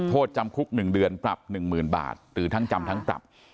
โทษจำคุก๑เดือนปรับ๑๐๐๐บาทหรือทั้งจำทั้งปรับ